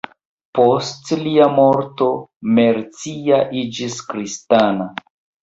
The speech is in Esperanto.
Post lia morto Mercia iĝis kristana.